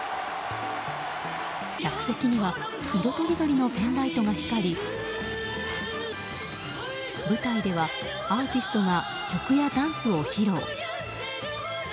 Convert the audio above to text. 客席には色とりどりのペンライトが光り舞台では、アーティストが曲やダンスを披露。